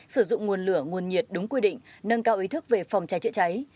sử dụng nguồn lửa nguồn nhiệt đúng quy định nâng cao ý thức về phòng cháy chữa cháy